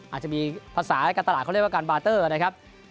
อาจจะมีภาษาการตลาดเขาเรียกว่าการบาเตอร์นะครับ